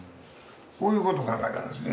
こういうこと考えたんですね。